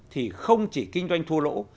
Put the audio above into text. thì không chỉ kinh doanh thua lỗ